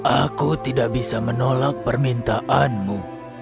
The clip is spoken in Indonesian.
aku tidak bisa menolak permintaanmu